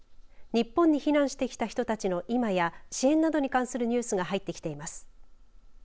日本に避難してきた人たちの今や支援などに関するニュースが入ってきています。